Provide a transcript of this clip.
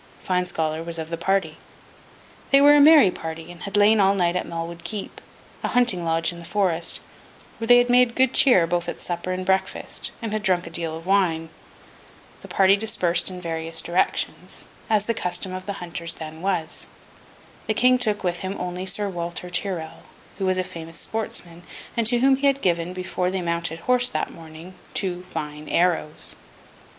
Fine Scholar was of the party. They were a merry party, and had lain all night at Malwood Keep, a hunting lodge in the forest, where they had made good cheer, both at supper and breakfast, and had drunk a deal of wine. The party dispersed in various directions, as the custom of hunters then was. The King took with him only Sir Walter Tyrrel, who was a famous sportsman, and to whom he had given, before they mounted horse that morning, two fine arrows.